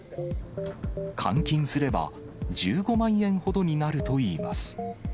換金すれば、１５万円ほどになるといいます。